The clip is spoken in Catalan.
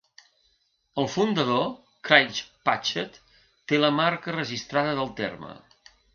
El fundador, Craig Patchett té la marca registrada del terme.